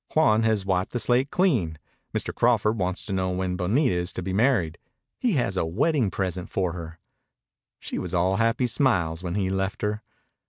"Juan has wiped the slate clean. Mr. Crawford wants to know when Bonita is to be married. He has a wedding present for her." She was all happy smiles when he left her.